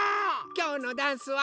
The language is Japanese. きょうのダンスは。